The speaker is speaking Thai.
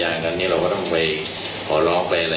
พยาบาทแบบนี้เราต้องรองไปอะไร